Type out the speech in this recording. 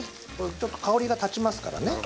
ちょっと香りが立ちますからね。